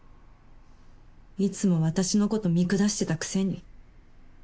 いつも私のこと見下してたくせに。